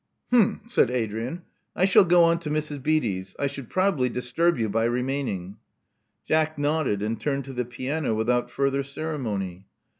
H'm! said Adrian. *'I shall go on to Mrs. Beatty's. I should probably disturb you by re maining." Jack nodded and turned to the piano without further ceremony.